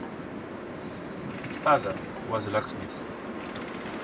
His father was a locksmith.